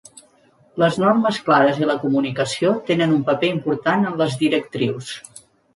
Les normes clares i la comunicació tenen un paper important en les directrius.